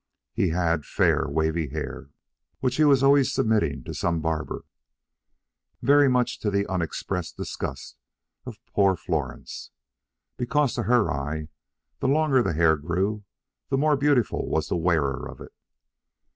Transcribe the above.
He had fair, wavy hair, which he was always submitting to some barber, very much to the unexpressed disgust of poor Florence; because to her eyes the longer the hair grew the more beautiful was the wearer of it.